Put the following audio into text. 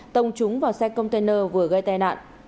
tông trúng vào xe container vừa gây tên nạn